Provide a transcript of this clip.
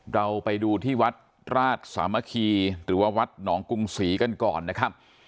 เราไปดูที่วัดราชสามัคคีหรือว่าวัดหนองกรุงศรีกันก่อนนะครับ